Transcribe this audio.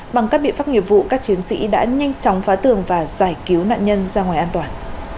bằng các biện pháp nghiệp vụ các chiến sĩ đã nhanh chóng phá tường và giải cứu nạn nhân ra ngoài an toàn